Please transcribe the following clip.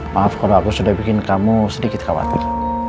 maaf kalau aku sudah bikin kamu sedikit khawatir